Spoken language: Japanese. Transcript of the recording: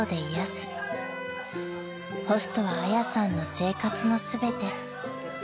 ［ホストはあやさんの生活の全て］